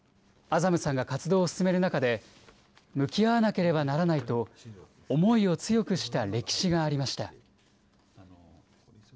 アザムさんが活動を始める中で、向き合わなければならないと、思いを強くした歴史がありました。